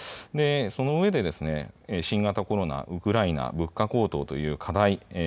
その上で新型コロナ、ウクライナ物価高騰という課題